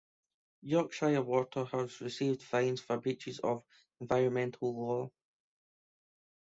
Yorkshire Water has received fines for breaches of environmental law.